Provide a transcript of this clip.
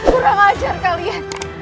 kurang ajar kalian